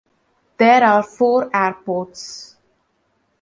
There are four airports.